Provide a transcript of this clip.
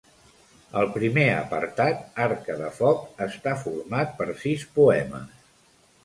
El primer apartat, Harca de foc, està format per sis poemes.